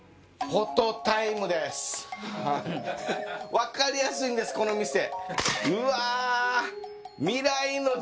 分かりやすいんですこの店。